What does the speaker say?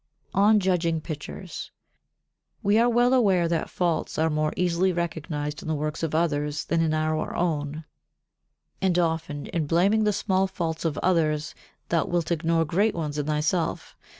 [Sidenote: On judging Pictures] 64. We are well aware that faults are more easily recognized in the works of others than in our own, and often in blaming the small faults of others thou wilt ignore great ones in thyself.